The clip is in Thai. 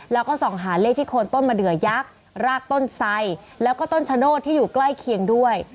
แล้วก็ส่องหาเลขที่โคนต้นมะเดือยักษ์รากต้นไสแล้วก็ต้นชะโนธที่อยู่ใกล้เคียงด้วย